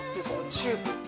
チューブ。